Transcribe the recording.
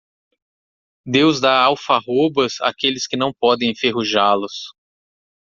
Deus dá alfarrobas àqueles que não podem enferrujá-los.